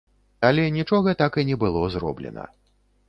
Але нічога так і не было зроблена.